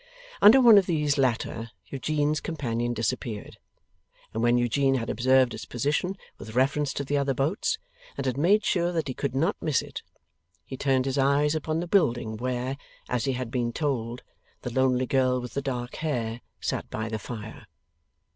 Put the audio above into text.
Under one of these latter, Eugene's companion disappeared. And when Eugene had observed its position with reference to the other boats, and had made sure that he could not miss it, he turned his eyes upon the building where, as he had been told, the lonely girl with the dark hair sat by the fire.